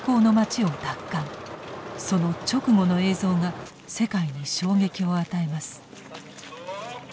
その直後の映像が世界に衝撃を与えます。